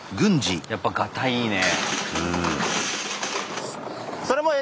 やっぱガタイいいね。